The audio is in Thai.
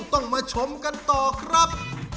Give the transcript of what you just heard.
ต้องมาชมกันต่อครับ